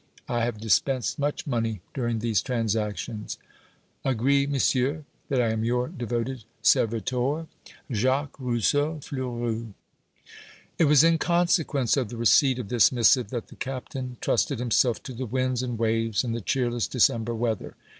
I have dispensed much money during these transactions. Agree, monsieur, that I am your devoted servitor, JACQUES ROUSSEAU FLEURUS. It was in consequence of the receipt of this missive that the Captain trusted himself to the winds and waves in the cheerless December weather.